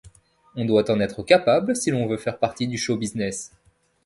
On doit en être capable si l’on veut faire partie du show-business.